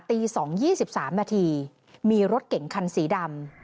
ตี๒ห้าสิบสามนาทีมีรถเก๋งคันสีดำ